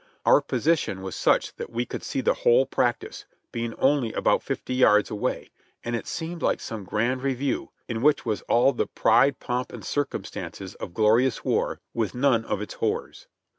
Our position was such that we could see the whole practice, being only about fifty yards away, and it seemed like some grand review in which was all the "pride, pomp and circumstances of glorious war, with none of its horrors."